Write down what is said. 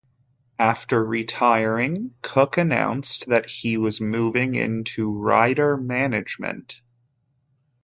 After retiring, Cooke announced that he was moving into rider management.